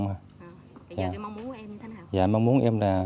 bây giờ mong muốn của em như thế nào